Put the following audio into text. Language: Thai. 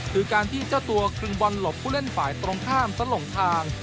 คือการที่เจ้าตัวครึงบอลหลบผู้เล่นฝ่ายตรงข้ามสลงทาง